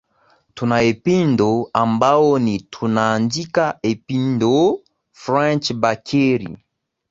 tuna epindoo ambao ni tunaandika epindoo french bakery